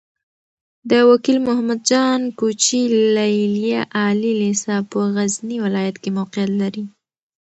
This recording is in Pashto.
د وکيل محمد جان کوچي ليليه عالي لېسه په غزني ولايت کې موقعيت لري.